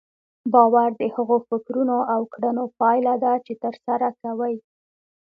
باور د هغو فکرونو او کړنو پايله ده چې ترسره کوئ.